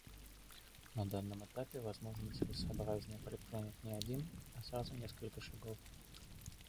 На данном этапе, возможно, целесообразнее предпринять не один, а сразу несколько шагов.